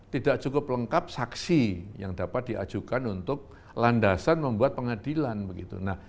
tidak cukup lengkap saksi yang dapat diajukan untuk landasan membuat pengadilan begitu